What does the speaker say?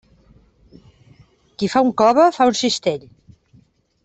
Qui fa un cove fa un cistell.